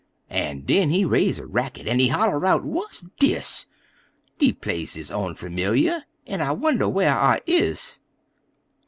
En den he raise a racket, en he holler out: "What dis? De place is onfamiliar, en I wonder whar' I is?"